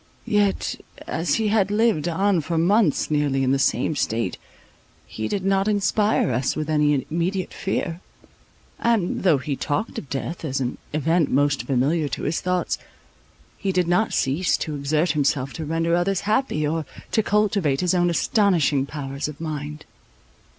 Yet, as he had lived on for months nearly in the same state, he did not inspire us with any immediate fear; and, though he talked of death as an event most familiar to his thoughts, he did not cease to exert himself to render others happy, or to cultivate his own astonishing powers of mind.